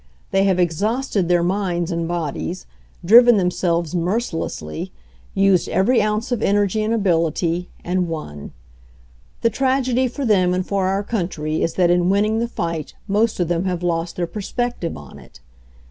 They have exhausted their minds and bodies, driven themselves mercilessly, used every ounce of energy and ability, and won. The tragedy for them and for our country is that in winning the fight most of them have lost their perspective on it.